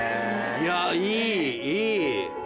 いやいいいい。